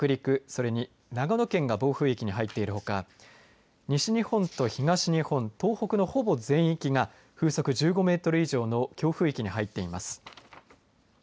それに長野県が暴風域に入っているほか西日本と東日本東北のほぼ全域が風速１５メートル以上の強風域に入っています。